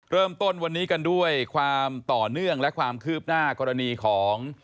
เริ่มต้นวันนี้กันด้วยความต่อเนื่องและความคืบหน้ากรณีของ